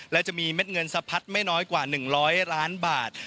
และจะมีเม็ดเงินสะพัดไม่น้อยกว่า๑๐๐ล้านบาท